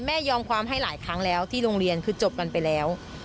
ยอมความให้หลายครั้งแล้วที่โรงเรียนคือจบกันไปแล้ว